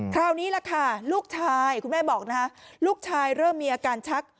คราวนี้แหละค่ะลูกชายคุณแม่บอกนะคะลูกชายเริ่มมีอาการชัก